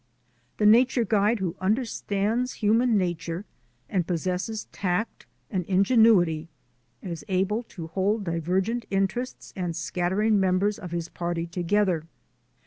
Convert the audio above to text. The nature guide who understands human na ture and possesses tact and ingenuity is able to hold divergent interests and scattering members of his party together.